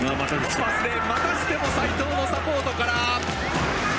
またしても齋藤のサポートから。